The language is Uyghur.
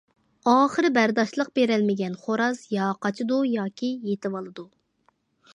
ئاخىرى بەرداشلىق بېرەلمىگەن خوراز يا قاچىدۇ ياكى يېتىۋالىدۇ.